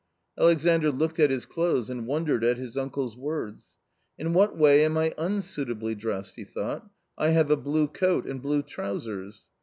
Alexandr looked at his clothes and wondered at his uncle's words. " In what way am I unsuitably dressed ?" he thought, " I have a blue coat and blue trousers.